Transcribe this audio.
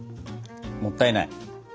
もったいない。